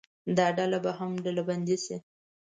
دا ډله به هم ډلبندي شي.